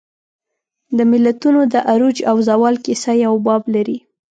د ملتونو د عروج او زوال کیسه یو باب لري.